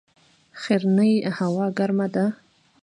ښرنې هوا ګرمه ده؟